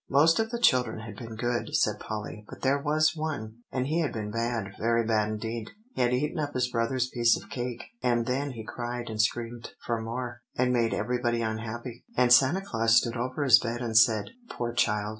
"Most of the children had been good," said Polly; "but there was one, and he had been bad, very bad indeed. He had eaten up his brother's piece of cake; and then he had cried and screamed for more, and made everybody unhappy. And Santa Claus stood over his bed and said, 'Poor child.